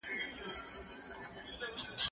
زه د کتابتون کتابونه نه لوستل کوم،